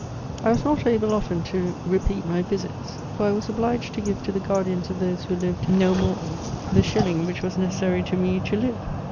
I was not able often to repeat my visits, for I was obliged to give to the guardians of those who lived no more the shilling which was necessary to me to live.